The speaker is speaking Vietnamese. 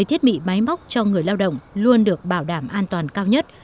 thiết bị máy móc cho người lao động luôn được bảo đảm an toàn cao nhất